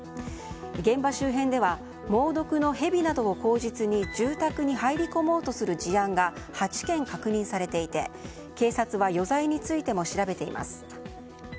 現場周辺では猛毒のヘビなどを口実に住宅に入り込もうとする事案が８件確認されていて、警察は余罪についても調べています。